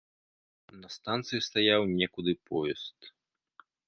На станцыі стаяў некуды поезд.